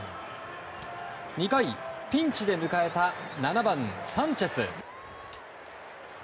２回、ピンチで迎えた７番、サンチェス。